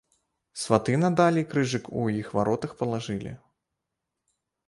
Сваты надалей крыжык у іх варотах палажылі.